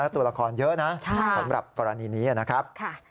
ตัวละครเยอะนะสำหรับกรณีนี้นะครับ